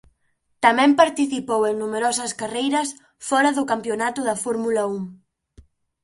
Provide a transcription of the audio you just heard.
Tamén participou en numerosas carreiras fora de campionato da Fórmula Un.